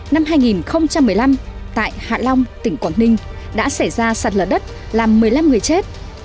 năm hai nghìn một mươi năm tại hạ long tỉnh quảng ninh đã xảy ra sạt lở đất làm một mươi năm người chết